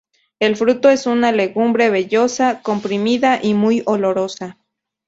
El fruto es una legumbre vellosa, comprimida y muy olorosa.